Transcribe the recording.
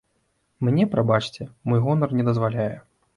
Мне, прабачце, мой гонар не дазваляе.